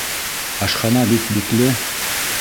Ашхана бит бикле!